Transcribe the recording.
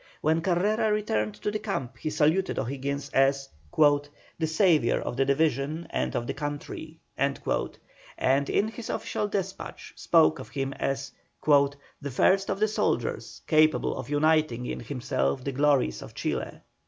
When Carrera returned to the camp he saluted O'Higgins as "the saviour of the division and of the country," and in his official despatch spoke of him as "the first of soldiers, capable of uniting in himself the glories of Chile."